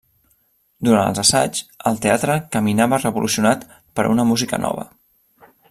Durant els assaigs, el teatre caminava revolucionat per una música nova.